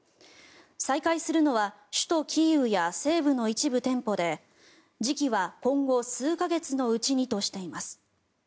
再開するのは首都キーウや西部の一部店舗で時期は今後数か月のうちにとしています。